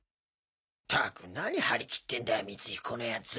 ったくなに張り切ってんだよ光彦の奴！